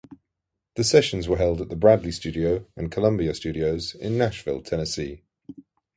The sessions were held at the Bradley Studio and Columbia Studios in Nashville Tennessee.